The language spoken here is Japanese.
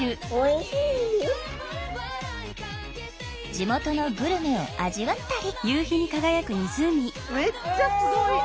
地元のグルメを味わったり。